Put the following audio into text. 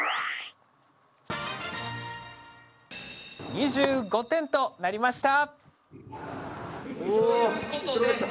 ２５点となりました！